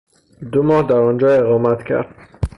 دو ماه درآنجا اقامت کرد